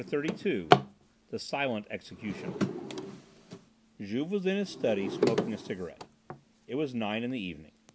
XXXII THE SILENT EXECUTIONER Juve was in his study smoking a cigarette. It was nine in the evening.